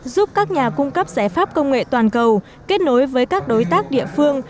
giúp các nhà cung cấp giải pháp công nghệ toàn cầu kết nối với các đối tác địa phương